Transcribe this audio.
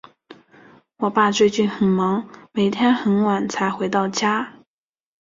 我爸最近很忙，每天很晚才回到家。